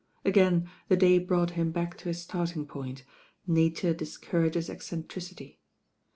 Again, the day brought him back to his starting point: "Nature discourages eccentricity."